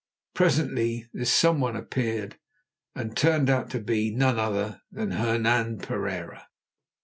Presently this someone appeared, and turned out to be none other than Hernan Pereira.